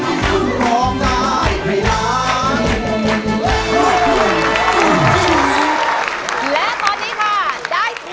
ร้องได้ให้ร้าง